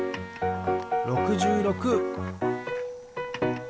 ６６。